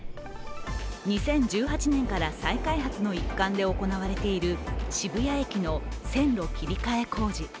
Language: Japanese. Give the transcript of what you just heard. ２０１８年から再開発の一環で行われている渋谷駅の線路切り替え工事。